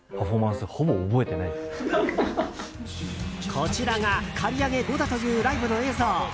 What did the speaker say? こちらが刈り上げ後だというライブの映像。